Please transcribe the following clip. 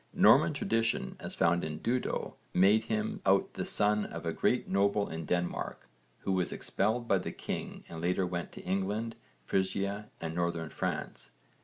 Norman tradition, as found in Dudo, made him out the son of a great noble in Denmark, who was expelled by the king and later went to England, Frisia and Northern France.